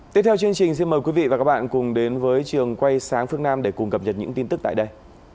tiếp theo chương trình xin mời quý vị và các bạn cùng đến với trường quay sáng phương nam để cùng cập nhật những tin tức tại đây